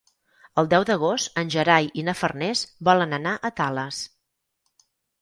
El deu d'agost en Gerai i na Farners volen anar a Tales.